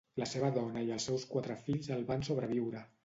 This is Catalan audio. La seva dona i els seus quatre fills el van sobreviure.